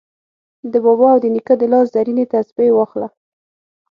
د بابا او د نیکه د لاس زرینې تسپې واخله